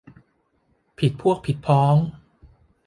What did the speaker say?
ผิดพวกผิดพ้อง